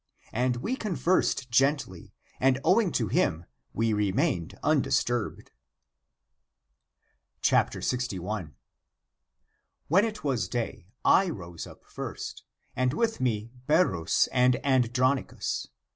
And we conversed gently, and owing to him we remained undisturbed. 61. When it was day, I rose up first, and with me Berus and Andronicus.